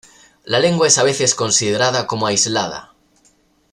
La lengua es a veces considerada como aislada.